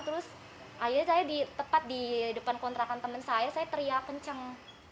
terus akhirnya saya tepat di depan kontrakan temen saya saya teriak kenceng